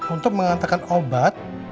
untuk mengantarkan obat